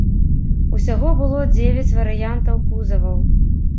Усяго было дзевяць варыянтаў кузаваў.